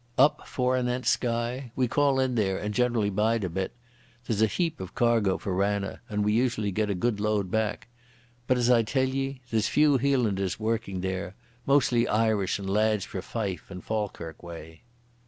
"Up forenent Skye. We call in there, and generally bide a bit. There's a heap of cargo for Ranna, and we usually get a good load back. But as I tell ye, there's few Hielanders working there. Mostly Irish and lads frae Fife and Falkirk way."